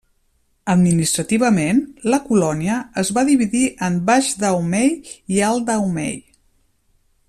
Administrativament la colònia es va dividir en Baix Dahomey i Alt Dahomey.